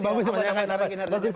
karena kinerjanya bagus